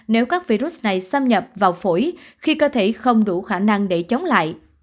nếu các virus này xâm nhập vào phổi khi cơ thể không đủ khả năng để chống lại